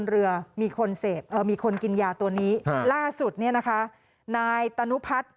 ซึ่งเศรษฐกรที่อยู่ในโรงพยาบาลจะต้องการงานเท่านั้น